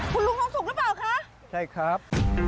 คุณลุงความสุขหรือเปล่าคะใช่ครับ